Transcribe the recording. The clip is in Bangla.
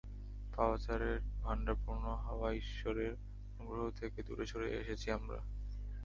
পাপাচারের ভান্ডার পূর্ণ হওয়ায় ঈশ্বরের অনুগ্রহ থেকে দূরে সরে এসেছি আমরা!